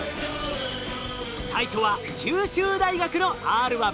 最初は九州大学のＲ１。